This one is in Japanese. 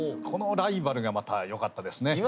このライバルがまたよかったですね。